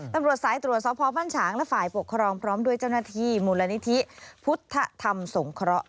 ตำรวจสายตรวจสพบ้านฉางและฝ่ายปกครองพร้อมด้วยเจ้าหน้าที่มูลนิธิพุทธธรรมสงเคราะห์